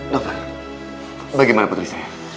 dokter bagaimana penelitian saya